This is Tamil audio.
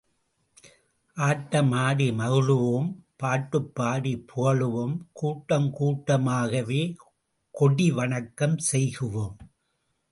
ஆட்டம் ஆடி மகிழுவோம் பாட்டுப் பாடிப் புகழுவோம் கூட்டம் கூட்ட மாகவே கொடி வணக்கம் செய்குவோம்!